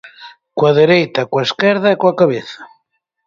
Coa dereita, coa esquerda e coa cabeza.